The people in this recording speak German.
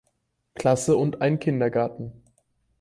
Klasse und einen Kindergarten.